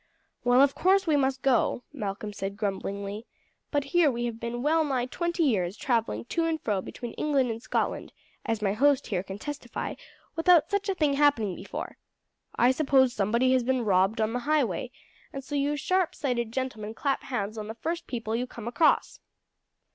"Well, of course we must go," Malcolm said grumblingly; "but here we have been well nigh twenty years travelling to and fro between England and Scotland, as my host here can testify, without such a thing happening before. I suppose somebody has been robbed on the highway, and so you sharp sighted gentlemen clap hands on the first people you come across."